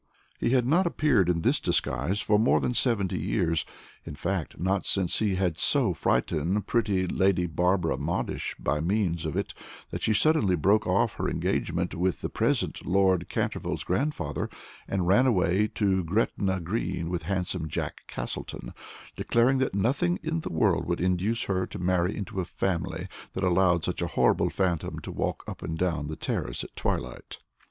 He had not appeared in this disguise for more than seventy years; in fact, not since he had so frightened pretty Lady Barbara Modish by means of it, that she suddenly broke off her engagement with the present Lord Canterville's grandfather, and ran away to Gretna Green with handsome Jack Castletown, declaring that nothing in the world would induce her to marry into a family that allowed such a horrible phantom to walk up and down the terrace at twilight.